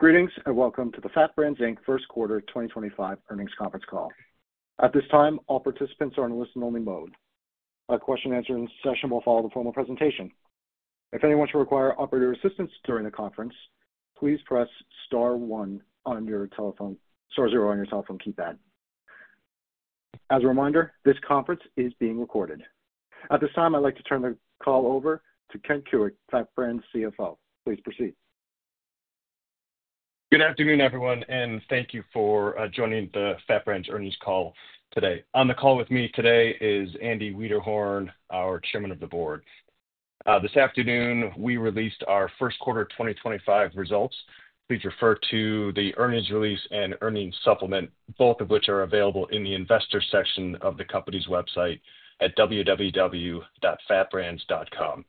Greetings and welcome to the FAT Brands first quarter 2025 earnings conference call. At this time, all participants are in listen-only mode. A question-and-answer session will follow the formal presentation. If anyone should require operator assistance during the conference, please press star one on your telephone, star zero on your telephone keypad. As a reminder, this conference is being recorded. At this time, I'd like to turn the call over to Ken Kuick, FAT Brands CFO. Please proceed. Good afternoon, everyone, and thank you for joining the FAT Brands earnings call today. On the call with me today is Andy Wiederhorn, our Chairman of the Board. This afternoon, we released our first quarter 2025 results. Please refer to the earnings release and earnings supplement, both of which are available in the investor section of the company's website at www.fatbrands.com.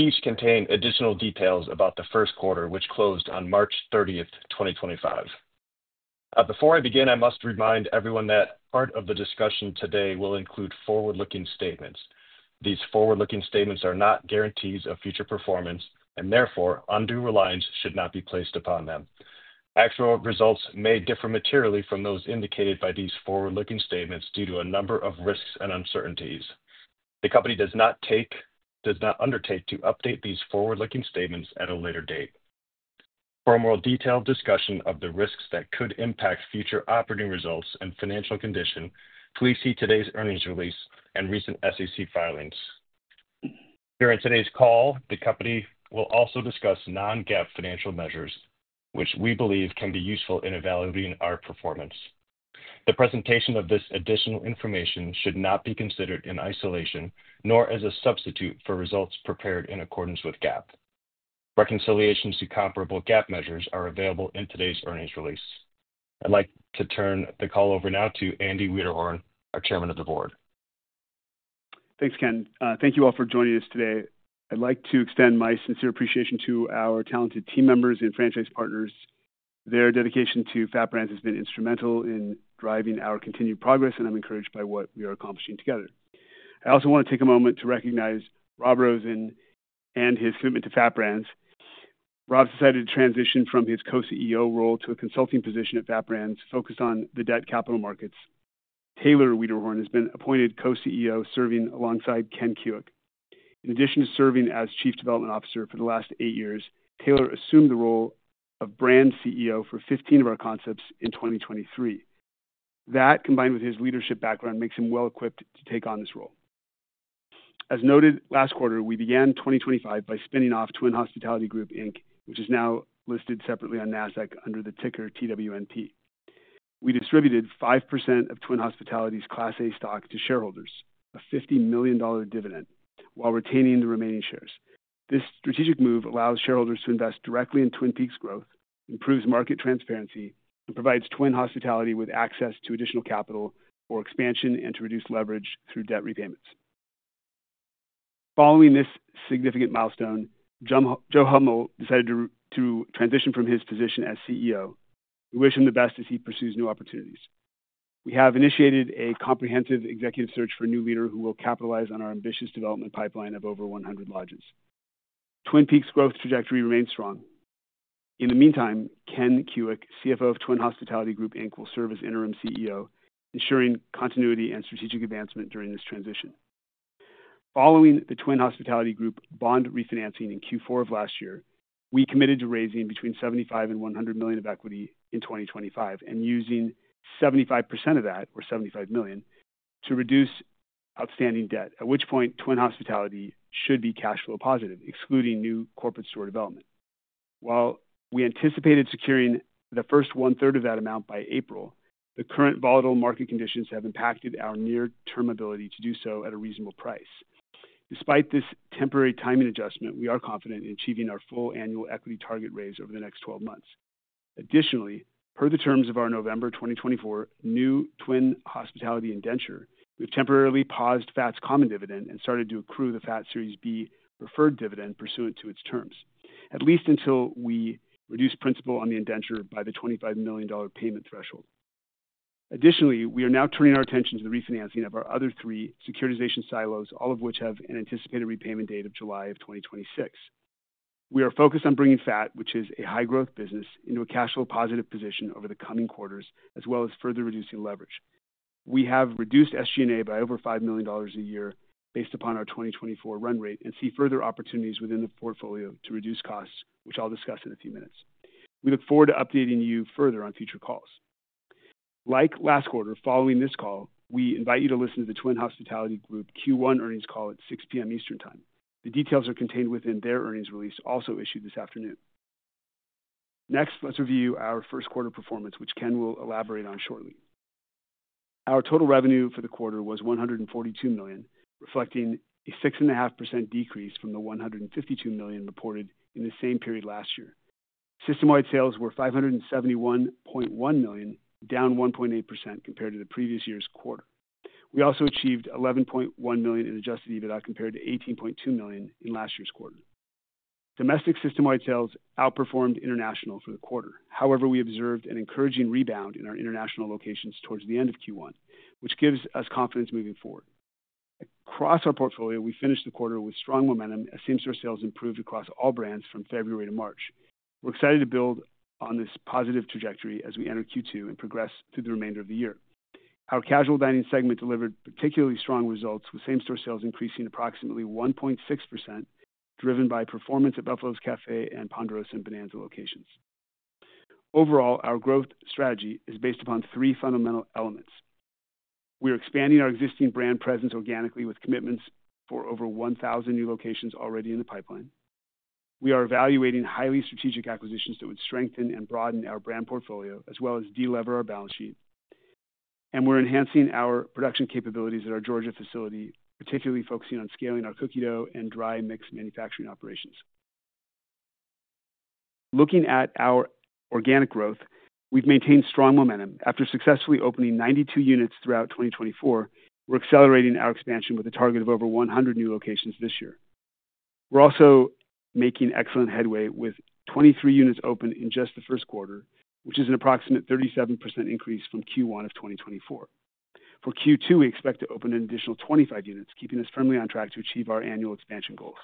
Each contains additional details about the first quarter, which closed on March 30th, 2025. Before I begin, I must remind everyone that part of the discussion today will include forward-looking statements. These forward-looking statements are not guarantees of future performance, and therefore, undue reliance should not be placed upon them. Actual results may differ materially from those indicated by these forward-looking statements due to a number of risks and uncertainties. The company does not undertake to update these forward-looking statements at a later date. For a more detailed discussion of the risks that could impact future operating results and financial condition, please see today's earnings release and recent SEC filings. During today's call, the company will also discuss non-GAAP financial measures, which we believe can be useful in evaluating our performance. The presentation of this additional information should not be considered in isolation, nor as a substitute for results prepared in accordance with GAAP. Reconciliations to comparable GAAP measures are available in today's earnings release. I'd like to turn the call over now to Andy Wiederhorn, our Chairman of the Board. Thanks, Ken. Thank you all for joining us today. I'd like to extend my sincere appreciation to our talented team members and franchise partners. Their dedication to FAT Brands has been instrumental in driving our continued progress, and I'm encouraged by what we are accomplishing together. I also want to take a moment to recognize Rob Rosen and his commitment to FAT Brands. Rob has decided to transition from his co-CEO role to a consulting position at FAT Brands focused on the debt capital markets. Taylor Wiederhorn has been appointed co-CEO, serving alongside Ken Kuick. In addition to serving as Chief Development Officer for the last eight years, Taylor assumed the role of Brand CEO for 15 of our concepts in 2023. That, combined with his leadership background, makes him well equipped to take on this role. As noted, last quarter, we began 2025 by spinning off Twin Hospitality Group Inc., which is now listed separately on NASDAQ under the ticker TWNP. We distributed 5% of Twin Hospitality's Class A stock to shareholders, a $50 million dividend, while retaining the remaining shares. This strategic move allows shareholders to invest directly in Twin Peaks' growth, improves market transparency, and provides Twin Hospitality with access to additional capital for expansion and to reduce leverage through debt repayments. Following this significant milestone, Joe Hummel decided to transition from his position as CEO. We wish him the best as he pursues new opportunities. We have initiated a comprehensive executive search for a new leader who will capitalize on our ambitious development pipeline of over 100 lodges. Twin Peaks' growth trajectory remains strong. In the meantime, Ken Kuick, CFO of Twin Hospitality Group, will serve as interim CEO, ensuring continuity and strategic advancement during this transition. Following the Twin Hospitality Group bond refinancing in Q4 of last year, we committed to raising between $75 million and $100 million of equity in 2025 and using 75% of that, or $75 million, to reduce outstanding debt, at which point Twin Hospitality should be cash flow positive, excluding new corporate store development. While we anticipated securing the first one third of that amount by April, the current volatile market conditions have impacted our near-term ability to do so at a reasonable price. Despite this temporary timing adjustment, we are confident in achieving our full annual equity target raise over the next 12 months. Additionally, per the terms of our November 2024 new Twin Hospitality indenture, we've temporarily paused FAT's common dividend and started to accrue the FAT Series B preferred dividend pursuant to its terms, at least until we reduce principal on the indenture by the $25 million payment threshold. Additionally, we are now turning our attention to the refinancing of our other three securitization silos, all of which have an anticipated repayment date of July of 2026. We are focused on bringing FAT, which is a high-growth business, into a cash flow positive position over the coming quarters, as well as further reducing leverage. We have reduced SG&A by over $5 million a year based upon our 2024 run rate and see further opportunities within the portfolio to reduce costs, which I'll discuss in a few minutes. We look forward to updating you further on future calls. Like last quarter, following this call, we invite you to listen to the Twin Hospitality Group Q1 earnings call at 6:00 P.M. Eastern Time. The details are contained within their earnings release, also issued this afternoon. Next, let's review our first quarter performance, which Ken will elaborate on shortly. Our total revenue for the quarter was $142 million, reflecting a 6.5% decrease from the $152 million reported in the same period last year. System-wide sales were $571.1 million, down 1.8% compared to the previous year's quarter. We also achieved $11.1 million in adjusted EBITDA compared to $18.2 million in last year's quarter. Domestic system-wide sales outperformed international for the quarter. However, we observed an encouraging rebound in our international locations towards the end of Q1, which gives us confidence moving forward. Across our portfolio, we finished the quarter with strong momentum as same-store sales improved across all brands from February to March. We are excited to build on this positive trajectory as we enter Q2 and progress through the remainder of the year. Our casual dining segment delivered particularly strong results, with same-store sales increasing approximately 1.6%, driven by performance at Buffalo's Cafe and Ponderosa and Bonanza locations. Overall, our growth strategy is based upon three fundamental elements. We are expanding our existing brand presence organically with commitments for over 1,000 new locations already in the pipeline. We are evaluating highly strategic acquisitions that would strengthen and broaden our brand portfolio, as well as delever our balance sheet. We are enhancing our production capabilities at our Georgia facility, particularly focusing on scaling our cookie dough and dry mix manufacturing operations. Looking at our organic growth, we have maintained strong momentum. After successfully opening 92 units throughout 2024, we're accelerating our expansion with a target of over 100 new locations this year. We're also making excellent headway with 23 units open in just the first quarter, which is an approximate 37% increase from Q1 of 2024. For Q2, we expect to open an additional 25 units, keeping us firmly on track to achieve our annual expansion goals.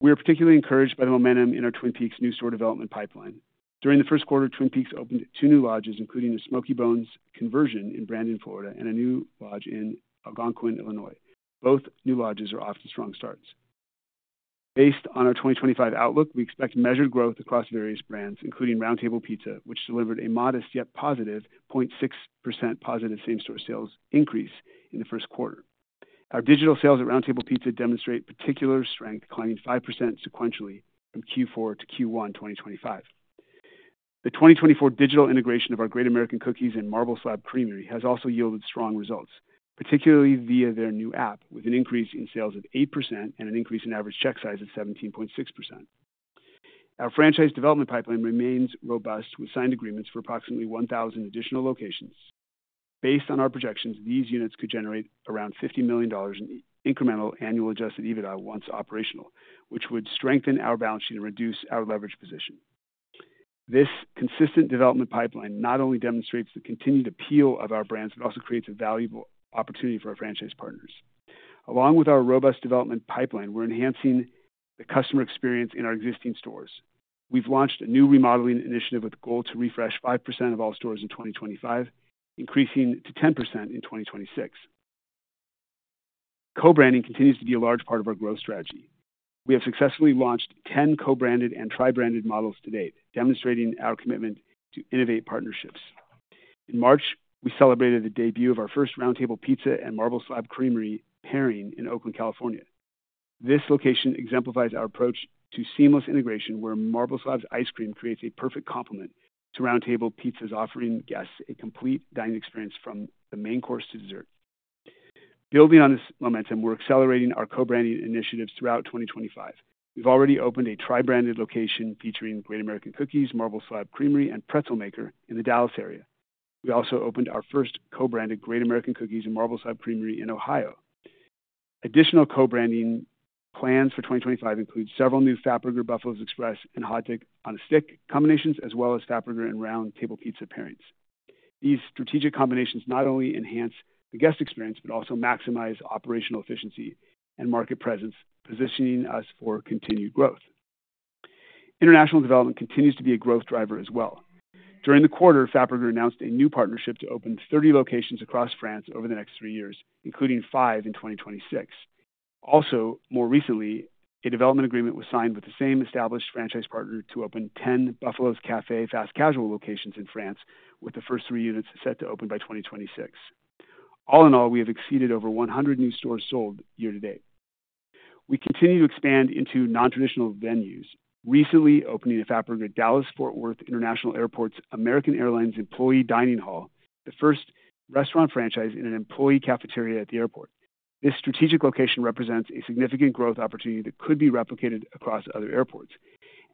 We are particularly encouraged by the momentum in our Twin Peaks new store development pipeline. During the first quarter, Twin Peaks opened two new lodges, including a Smoky Bones conversion in Brandon, Florida, and a new lodge in Algonquin, Illinois. Both new lodges are off to strong starts. Based on our 2025 outlook, we expect measured growth across various brands, including Round Table Pizza, which delivered a modest yet positive 0.6% same-store sales increase in the first quarter. Our digital sales at Round Table Pizza demonstrate particular strength, climbing 5% sequentially from Q4 to Q1 2025. The 2024 digital integration of our Great American Cookies and Marble Slab Creamery has also yielded strong results, particularly via their new app, with an increase in sales of 8% and an increase in average check size of 17.6%. Our franchise development pipeline remains robust, with signed agreements for approximately 1,000 additional locations. Based on our projections, these units could generate around $50 million in incremental annual adjusted EBITDA once operational, which would strengthen our balance sheet and reduce our leverage position. This consistent development pipeline not only demonstrates the continued appeal of our brands but also creates a valuable opportunity for our franchise partners. Along with our robust development pipeline, we're enhancing the customer experience in our existing stores. We've launched a new remodeling initiative with the goal to refresh 5% of all stores in 2025, increasing to 10% in 2026. Co-branding continues to be a large part of our growth strategy. We have successfully launched 10 co-branded and tri-branded models to date, demonstrating our commitment to innovate partnerships. In March, we celebrated the debut of our first Round Table Pizza and Marble Slab Creamery pairing in Oakland, California. This location exemplifies our approach to seamless integration, where Marble Slab's ice cream creates a perfect complement to Round Table Pizza's, offering guests a complete dining experience from the main course to dessert. Building on this momentum, we're accelerating our co-branding initiatives throughout 2025. We've already opened a tri-branded location featuring Great American Cookies, Marble Slab Creamery, and Pretzel Maker in the Dallas area. We also opened our first co-branded Great American Cookies and Marble Slab Creamery in Ohio. Additional co-branding plans for 2025 include several new Fatburger, Buffalo's Express, and Hot Dog on a Stick combinations, as well as Fatburger and Round Table Pizza pairings. These strategic combinations not only enhance the guest experience but also maximize operational efficiency and market presence, positioning us for continued growth. International development continues to be a growth driver as well. During the quarter, Fatburger announced a new partnership to open 30 locations across France over the next three years, including five in 2026. Also, more recently, a development agreement was signed with the same established franchise partner to open 10 Buffalo's Cafe fast casual locations in France, with the first three units set to open by 2026. All in all, we have exceeded over 100 new stores sold year to date. We continue to expand into non-traditional venues, recently opening a Fatburger at Dallas-Fort Worth International Airport's American Airlines employee dining hall, the first restaurant franchise in an employee cafeteria at the airport. This strategic location represents a significant growth opportunity that could be replicated across other airports,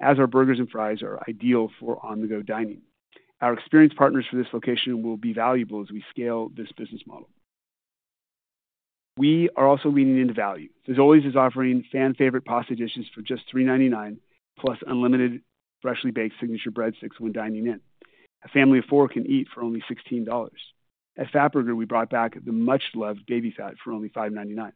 as our burgers and fries are ideal for on-the-go dining. Our experienced partners for this location will be valuable as we scale this business model. We are also leaning into value. There's always this offering: fan-favorite pasta dishes for just $3.99, plus unlimited freshly baked signature breadsticks when dining in. A family of four can eat for only $16. At Fatburger, we brought back the much-loved Baby Fat for only $5.99.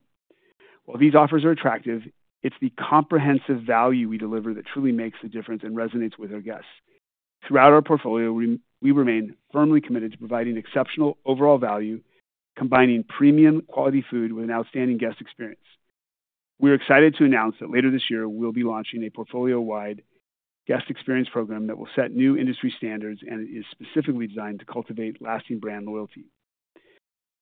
While these offers are attractive, it's the comprehensive value we deliver that truly makes the difference and resonates with our guests. Throughout our portfolio, we remain firmly committed to providing exceptional overall value, combining premium quality food with an outstanding guest experience. We're excited to announce that later this year, we'll be launching a portfolio-wide guest experience program that will set new industry standards and is specifically designed to cultivate lasting brand loyalty.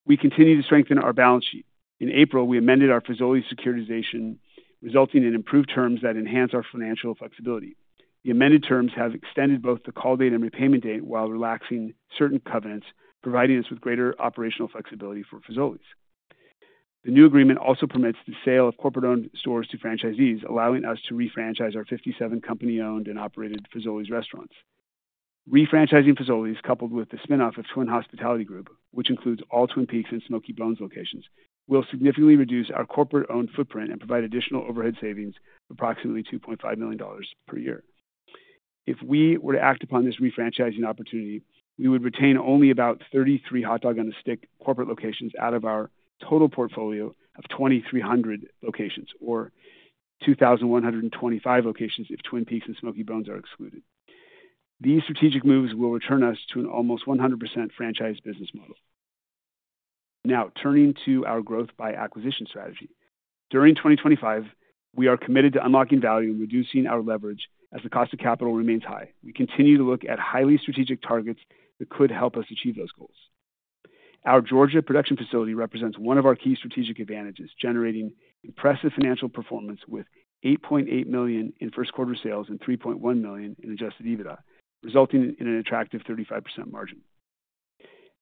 We continue to strengthen our balance sheet. In April, we amended our Fazoli's securitization, resulting in improved terms that enhance our financial flexibility. The amended terms have extended both the call date and repayment date while relaxing certain covenants, providing us with greater operational flexibility for Fazoli's. The new agreement also permits the sale of corporate-owned stores to franchisees, allowing us to refranchise our 57 company-owned and operated Fazoli's restaurants. Refranchising Fazoli's, coupled with the spinoff of Twin Hospitality Group, which includes all Twin Peaks and Smoky Bones locations, will significantly reduce our corporate-owned footprint and provide additional overhead savings of approximately $2.5 million per year. If we were to act upon this refranchising opportunity, we would retain only about 33 Hot Dog on a Stick corporate locations out of our total portfolio of 2,300 locations, or 2,125 locations if Twin Peaks and Smoky Bones are excluded. These strategic moves will return us to an almost 100% franchise business model. Now, turning to our growth by acquisition strategy. During 2025, we are committed to unlocking value and reducing our leverage as the cost of capital remains high. We continue to look at highly strategic targets that could help us achieve those goals. Our Georgia production facility represents one of our key strategic advantages, generating impressive financial performance with $8.8 million in first quarter sales and $3.1 million in adjusted EBITDA, resulting in an attractive 35% margin.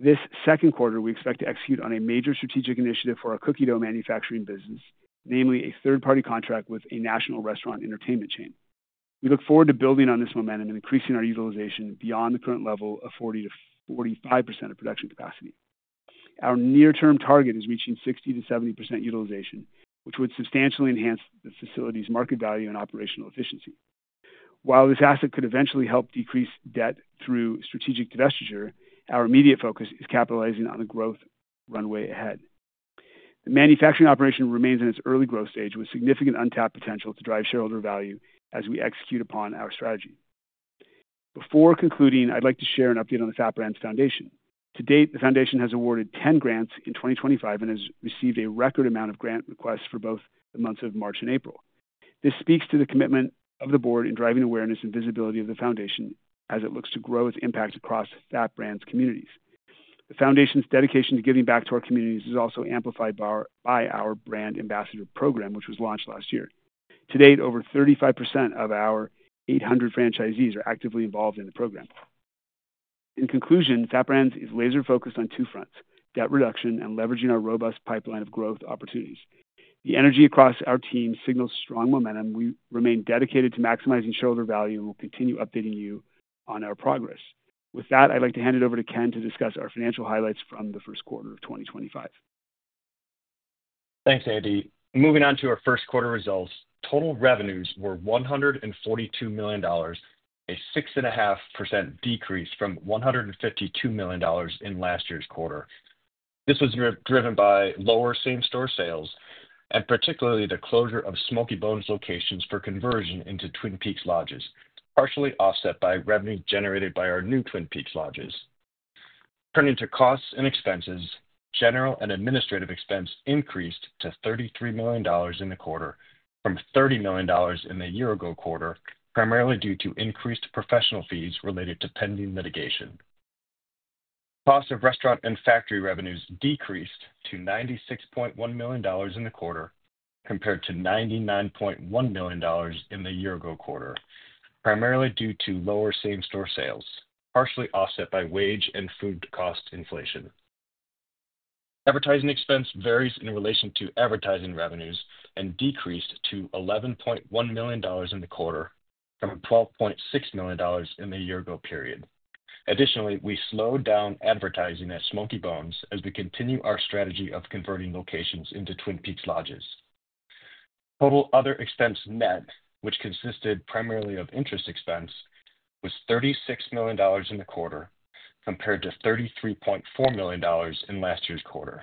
This second quarter, we expect to execute on a major strategic initiative for our cookie dough manufacturing business, namely a third-party contract with a national restaurant entertainment chain. We look forward to building on this momentum and increasing our utilization beyond the current level of 40-45% of production capacity. Our near-term target is reaching 60-70% utilization, which would substantially enhance the facility's market value and operational efficiency. While this asset could eventually help decrease debt through strategic divestiture, our immediate focus is capitalizing on the growth runway ahead. The manufacturing operation remains in its early growth stage, with significant untapped potential to drive shareholder value as we execute upon our strategy. Before concluding, I'd like to share an update on the FAT Brands Foundation. To date, the foundation has awarded 10 grants in 2025 and has received a record amount of grant requests for both the months of March and April. This speaks to the commitment of the board in driving awareness and visibility of the foundation as it looks to grow its impact across FAT Brands communities. The foundation's dedication to giving back to our communities is also amplified by our brand ambassador program, which was launched last year. To date, over 35% of our 800 franchisees are actively involved in the program. In conclusion, FAT Brands is laser-focused on two fronts: debt reduction and leveraging our robust pipeline of growth opportunities. The energy across our team signals strong momentum. We remain dedicated to maximizing shareholder value and will continue updating you on our progress. With that, I'd like to hand it over to Ken to discuss our financial highlights from the first quarter of 2025. Thanks, Andy. Moving on to our first quarter results, total revenues were $142 million, a 6.5% decrease from $152 million in last year's quarter. This was driven by lower same-store sales and particularly the closure of Smoky Bones locations for conversion into Twin Peaks lodges, partially offset by revenue generated by our new Twin Peaks lodges. Turning to costs and expenses, general and administrative expense increased to $33 million in the quarter, from $30 million in the year-ago quarter, primarily due to increased professional fees related to pending litigation. Cost of restaurant and factory revenues decreased to $96.1 million in the quarter, compared to $99.1 million in the year-ago quarter, primarily due to lower same-store sales, partially offset by wage and food cost inflation. Advertising expense varies in relation to advertising revenues and decreased to $11.1 million in the quarter, from $12.6 million in the year-ago period. Additionally, we slowed down advertising at Smoky Bones as we continue our strategy of converting locations into Twin Peaks lodges. Total other expense net, which consisted primarily of interest expense, was $36 million in the quarter, compared to $33.4 million in last year's quarter.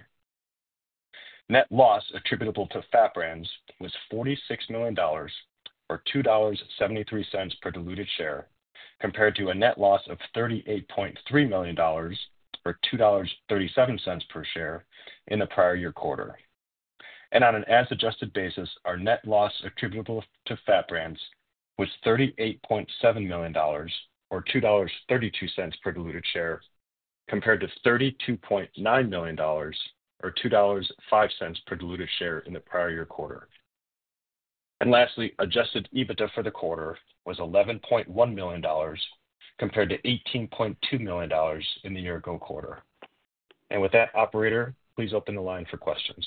Net loss attributable to FAT Brands was $46 million, or $2.73 per diluted share, compared to a net loss of $38.3 million, or $2.37 per share in the prior year quarter. On an as-adjusted basis, our net loss attributable to FAT Brands was $38.7 million, or $2.32 per diluted share, compared to $32.9 million, or $2.05 per diluted share in the prior year quarter. Lastly, adjusted EBITDA for the quarter was $11.1 million, compared to $18.2 million in the year-ago quarter. With that, Operator, please open the line for questions.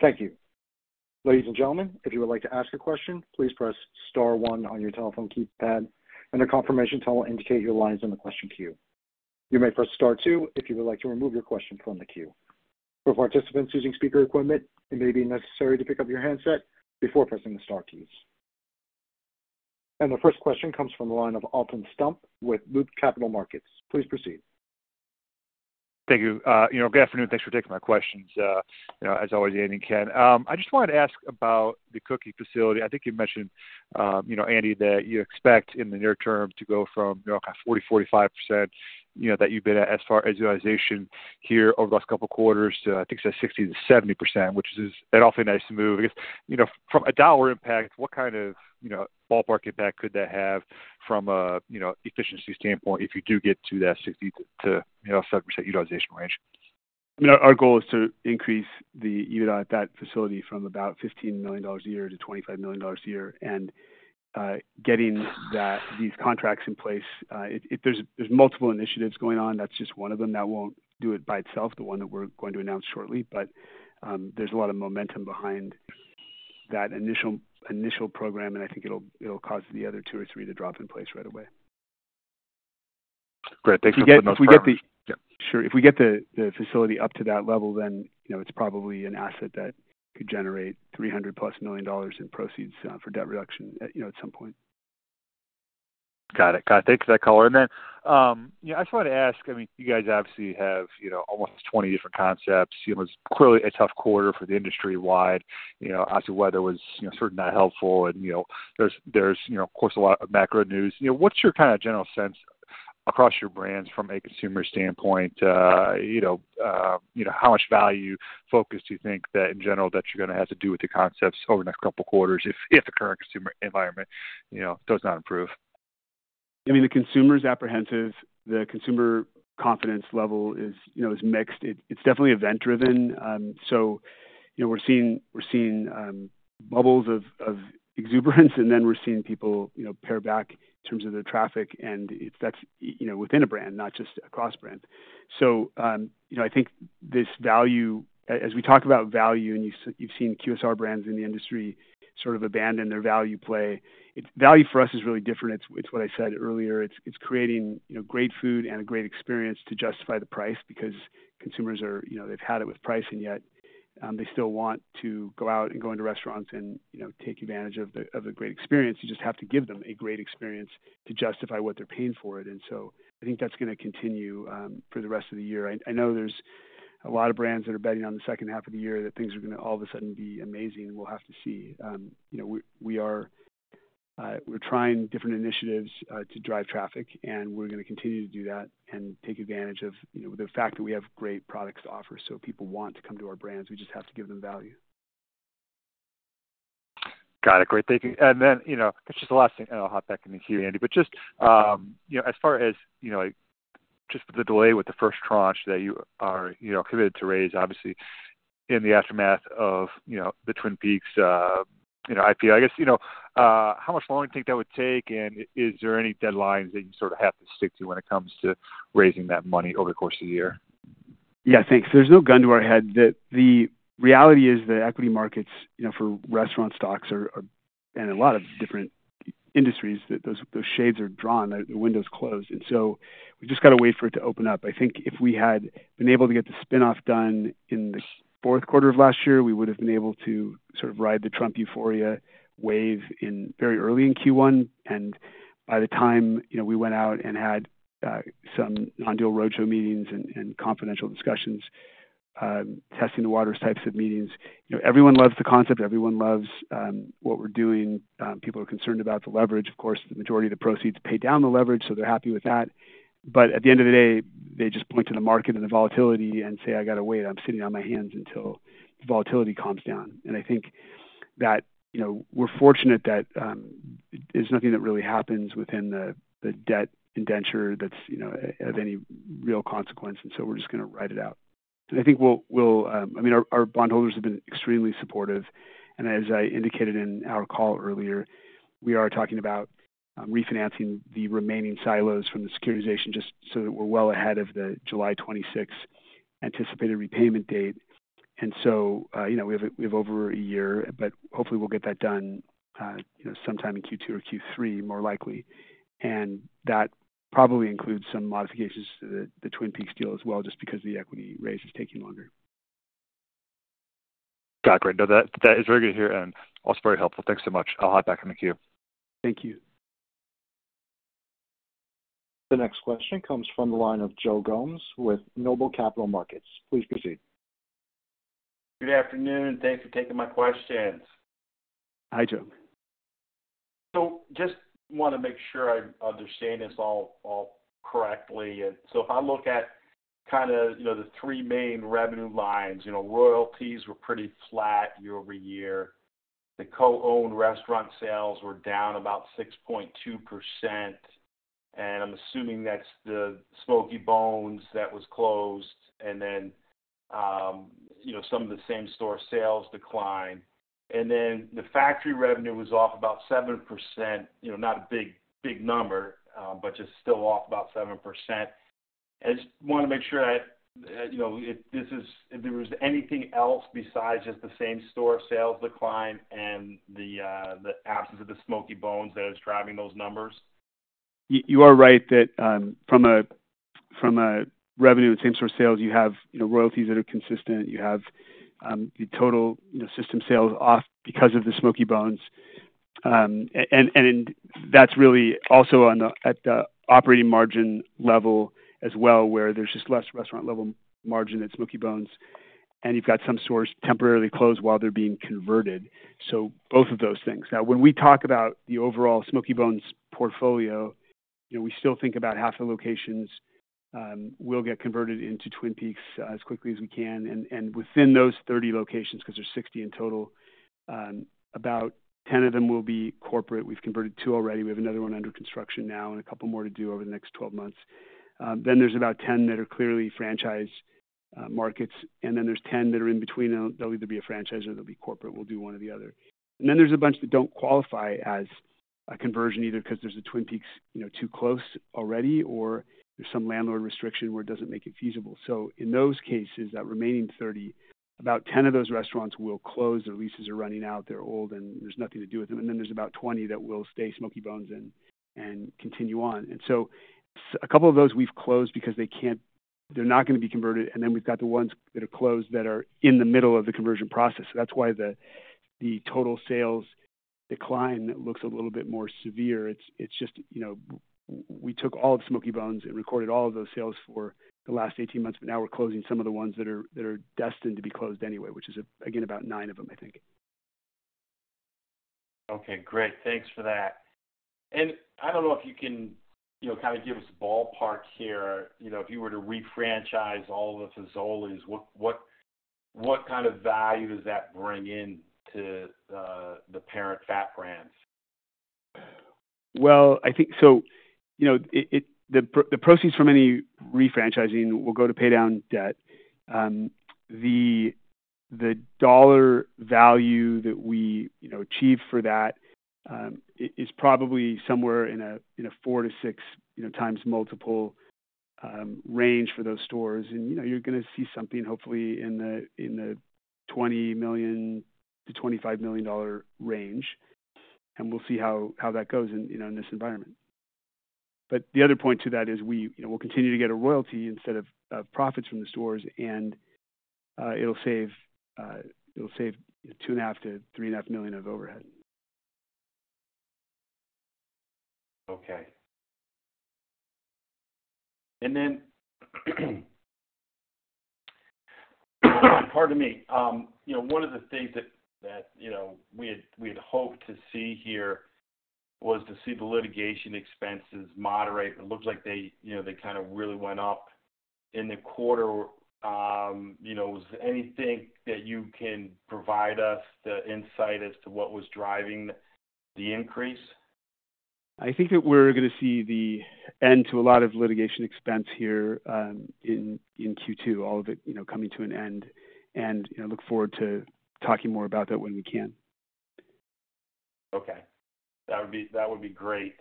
Thank you. Ladies and gentlemen, if you would like to ask a question, please press star one on your telephone keypad and a confirmation tone will indicate your line is in the question queue. You may press star two if you would like to remove your question from the queue. For participants using speaker equipment, it may be necessary to pick up your handset before pressing the star keys. The first question comes from the line of Alton Stump with Loop Capital Markets. Please proceed. Thank you. Good afternoon. Thanks for taking my questions, as always, Andy and Ken. I just wanted to ask about the cookie facility. I think you mentioned, Andy, that you expect in the near term to go from 40-45% that you've been at as far as utilization here over the last couple of quarters to, I think, say 60-70%, which is an awfully nice move. From a dollar impact, what kind of ballpark impact could that have from an efficiency standpoint if you do get to that 60-70% utilization range? Our goal is to increase the EBITDA at that facility from about $15 million a year-`$25 million a year. Getting these contracts in place, there's multiple initiatives going on. That's just one of them. That won't do it by itself, the one that we're going to announce shortly. There's a lot of momentum behind that initial program, and I think it'll cause the other two or three to drop in place right away. Great. Thanks for letting us know. If we get the—sure. If we get the facility up to that level, then it's probably an asset that could generate $300 million-plus in proceeds for debt reduction at some point. Got it. Got it. Thanks for that, Caller. I just wanted to ask, I mean, you guys obviously have almost 20 different concepts. It was clearly a tough quarter for the industry wide. Obviously, weather was certainly not helpful, and there's, of course, a lot of macro news. What's your kind of general sense across your brands from a consumer standpoint? How much value focus do you think that, in general, that you're going to have to do with your concepts over the next couple of quarters if the current consumer environment does not improve? I mean, the consumer's apprehensive. The consumer confidence level is mixed. It's definitely event-driven. We are seeing bubbles of exuberance, and then we're seeing people pare back in terms of their traffic, and that's within a brand, not just across brands. I think this value—as we talk about value, and you've seen QSR brands in the industry sort of abandon their value play. Value for us is really different. It's what I said earlier. It's creating great food and a great experience to justify the price because consumers are—they've had it with pricing, yet they still want to go out and go into restaurants and take advantage of a great experience. You just have to give them a great experience to justify what they're paying for it. I think that's going to continue for the rest of the year. I know there's a lot of brands that are betting on the second half of the year that things are going to all of a sudden be amazing, and we'll have to see. We're trying different initiatives to drive traffic, and we're going to continue to do that and take advantage of the fact that we have great products to offer. People want to come to our brands. We just have to give them value. Got it. Great. Thank you. Then it's just the last thing, and I'll hop back in the queue, Andy, but just as far as just the delay with the first tranche that you are committed to raise, obviously, in the aftermath of the Twin Peaks IPO, I guess, how much longer do you think that would take, and is there any deadlines that you sort of have to stick to when it comes to raising that money over the course of the year? Yeah. Thanks. There's no gun to our head. The reality is that equity markets for restaurant stocks and a lot of different industries, those shades are drawn. The window's closed. We just got to wait for it to open up. I think if we had been able to get the spinoff done in the fourth quarter of last year, we would have been able to sort of ride the Trump euphoria wave very early in Q1. By the time we went out and had some non-dual roadshow meetings and confidential discussions, testing the waters types of meetings, everyone loves the concept. Everyone loves what we're doing. People are concerned about the leverage. Of course, the majority of the proceeds pay down the leverage, so they're happy with that. At the end of the day, they just blink to the market and the volatility and say, "I got to wait. I'm sitting on my hands until the volatility calms down. I think that we're fortunate that there's nothing that really happens within the debt indenture that's of any real consequence, so we're just going to ride it out. I think we'll—I mean, our bondholders have been extremely supportive. As I indicated in our call earlier, we are talking about refinancing the remaining silos from the securitization just so that we're well ahead of the July 26 anticipated repayment date. We have over a year, but hopefully, we'll get that done sometime in Q2 or Q3, more likely. That probably includes some modifications to the Twin Peaks deal as well, just because the equity raise is taking longer. Got it. Great. No, that is very good to hear and also very helpful. Thanks so much. I'll hop back in the queue. Thank you. The next question comes from the line of Joe Gomes with NOBLE Capital Markets. Please proceed. Good afternoon, and thanks for taking my questions. Hi, Joe. Just want to make sure I understand this all correctly. If I look at kind of the three main revenue lines, royalties were pretty flat year-over-year. The co-owned restaurant sales were down about 6.2%. I'm assuming that's the Smoky Bones that was closed, and then some of the same-store sales declined. The factory revenue was off about 7%, not a big number, but just still off about 7%. I just want to make sure that if there was anything else besides just the same-store sales decline and the absence of the Smoky Bones that is driving those numbers. You are right that from a revenue and same-store sales, you have royalties that are consistent. You have the total system sales off because of the Smoky Bones. That is really also at the operating margin level as well, where there is just less restaurant-level margin at Smoky Bones. You have some stores temporarily closed while they are being converted. Both of those things. Now, when we talk about the overall Smoky Bones portfolio, we still think about half the locations will get converted into Twin Peaks as quickly as we can. Within those 30 locations, because there are 60 in total, about 10 of them will be corporate. We have converted two already. We have another one under construction now and a couple more to do over the next 12 months. There are about 10 that are clearly franchise markets, and then there are 10 that are in between. They will either be a franchise or they will be corporate. We will do one or the other. There is a bunch that do not qualify as a conversion either because there is a Twin Peaks too close already or there is some landlord restriction where it does not make it feasible. In those cases, that remaining 30, about 10 of those restaurants will close. Their leases are running out. They are old, and there is nothing to do with them. There are about 20 that will stay Smoky Bones and continue on. A couple of those we have closed because they are not going to be converted. We have the ones that are closed that are in the middle of the conversion process. That is why the total sales decline looks a little bit more severe. It's just we took all of Smoky Bones and recorded all of those sales for the last 18 months, but now we're closing some of the ones that are destined to be closed anyway, which is, again, about nine of them, I think. Okay. Great. Thanks for that. I don't know if you can kind of give us a ballpark here. If you were to refranchise all of the Fazoli's, what kind of value does that bring in to the parent FAT Brands? I think the proceeds from any refranchising will go to pay down debt. The dollar value that we achieve for that is probably somewhere in a four- to six-times multiple range for those stores. You're going to see something, hopefully, in the $20 million-$25 million range. We'll see how that goes in this environment. The other point to that is we'll continue to get a royalty instead of profits from the stores, and it'll save $2.5 million-$3.5 million of overhead. Okay. Pardon me, one of the things that we had hoped to see here was to see the litigation expenses moderate. It looked like they kind of really went up in the quarter. Was there anything that you can provide us, the insight as to what was driving the increase? I think that we're going to see the end to a lot of litigation expense here in Q2, all of it coming to an end. I look forward to talking more about that when we can. Okay. That would be great.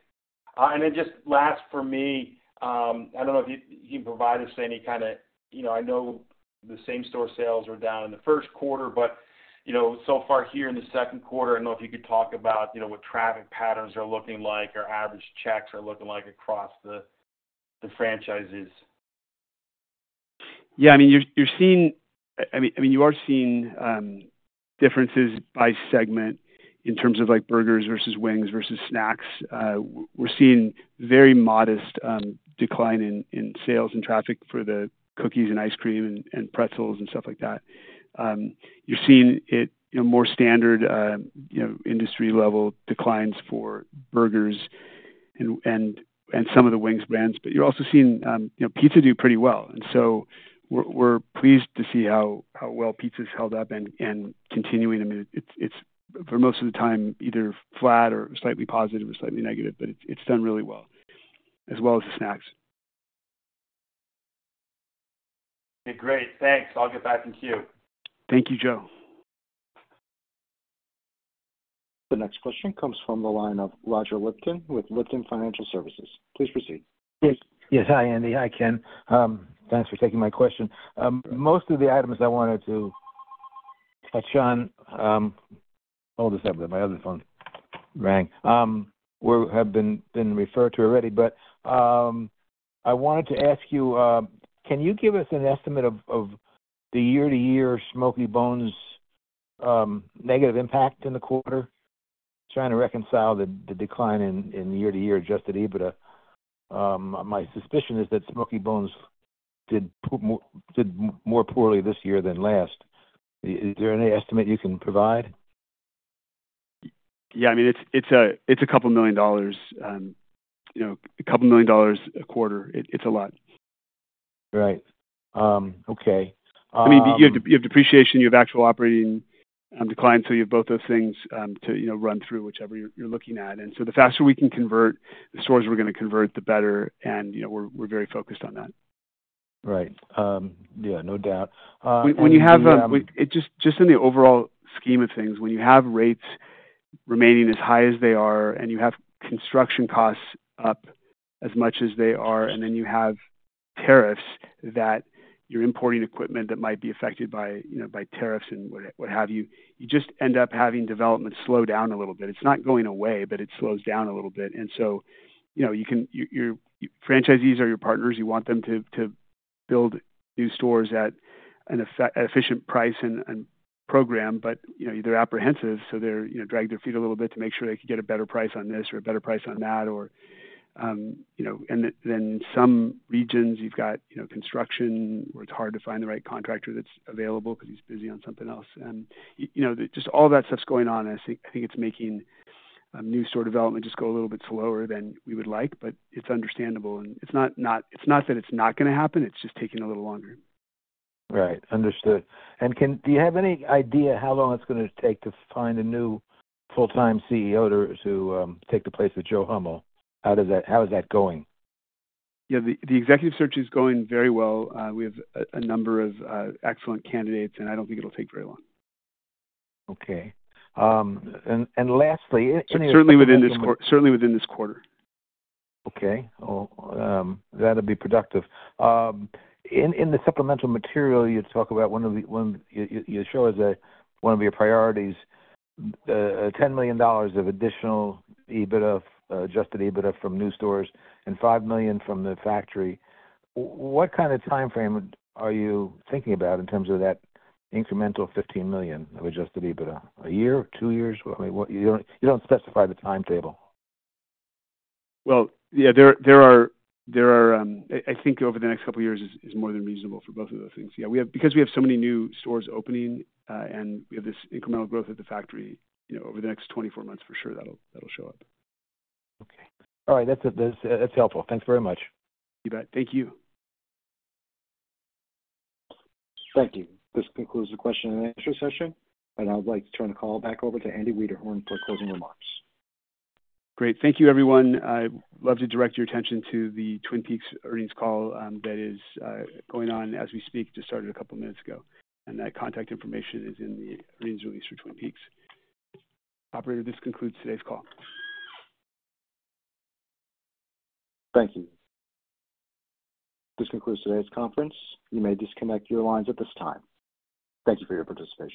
And then just last for me, I do not know if you can provide us any kind of, I know the same-store sales were down in the first quarter, but so far here in the second quarter, I do not know if you could talk about what traffic patterns are looking like or average checks are looking like across the franchises. Yeah. I mean, you are seeing, I mean, you are seeing differences by segment in terms of burgers versus wings versus snacks. We are seeing very modest decline in sales and traffic for the cookies and ice cream and pretzels and stuff like that. You are seeing more standard industry-level declines for burgers and some of the wings brands. You are also seeing pizza do pretty well. We are pleased to see how well pizza's held up and continuing. I mean, it's for most of the time either flat or slightly positive or slightly negative, but it's done really well, as well as the snacks. Okay. Great. Thanks. I'll get back in queue. Thank you, Joe. The next question comes from the line of Roger Lipton with Lipton Financial Services. Please proceed. Yes. Hi, Andy. Hi, Ken. Thanks for taking my question. Most of the items I wanted to touch on—hold a second, my other phone rang. We have been referred to already, but I wanted to ask you, can you give us an estimate of the year-to-year Smoky Bones negative impact in the quarter? Trying to reconcile the decline in year-to-year adjusted EBITDA. My suspicion is that Smoky Bones did more poorly this year than last. Is there any estimate you can provide? Yeah. I mean, it's a couple of million dollars. A couple of million dollars a quarter. It's a lot. Right. Okay. I mean, you have depreciation. You have actual operating decline. You have both those things to run through, whichever you're looking at. The faster we can convert the stores we're going to convert, the better. We're very focused on that. Right. Yeah. No doubt. Just in the overall scheme of things, when you have rates remaining as high as they are and you have construction costs up as much as they are, and then you have tariffs that you're importing equipment that might be affected by tariffs and what have you, you just end up having development slow down a little bit. It's not going away, but it slows down a little bit. Your franchisees are your partners. You want them to build new stores at an efficient price and program, but they're apprehensive. They're dragging their feet a little bit to make sure they can get a better price on this or a better price on that. In some regions, you've got construction where it's hard to find the right contractor that's available because he's busy on something else. All that stuff's going on. I think it's making new store development just go a little bit slower than we would like, but it's understandable. It's not that it's not going to happen. It's just taking a little longer. Right. Understood. Do you have any idea how long it's going to take to find a new full-time CEO to take the place of Joe Hummel? How is that going? Yeah. The executive search is going very well. We have a number of excellent candidates, and I don't think it'll take very long. Okay. And lastly, any— Certainly within this quarter. Okay. That'll be productive. In the supplemental material, you talk about one of the—you show as one of your priorities, $10 million of additional EBITDA, adjusted EBITDA from new stores, and $5 million from the factory. What kind of timeframe are you thinking about in terms of that incremental $15 million of adjusted EBITDA? A year, two years? I mean, you don't specify the timetable. Yeah, there are—I think over the next couple of years is more than reasonable for both of those things. Yeah. Because we have so many new stores opening and we have this incremental growth at the factory, over the next 24 months, for sure, that'll show up. Okay. All right. That's helpful. Thanks very much. You bet. Thank you. Thank you. This concludes the question-and-answer session. I'd like to turn the call back over to Andy Wiederhorn for closing remarks. Great. Thank you, everyone. I'd love to direct your attention to the Twin Peaks earnings call that is going on as we speak, just started a couple of minutes ago. That contact information is in the earnings release for Twin Peaks. Operator, this concludes today's call. Thank you. This concludes today's conference. You may disconnect your lines at this time. Thank you for your participation.